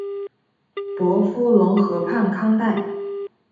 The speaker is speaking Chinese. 伯夫龙河畔康代。